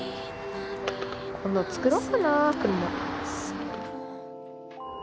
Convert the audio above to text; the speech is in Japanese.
今度作ろっかな。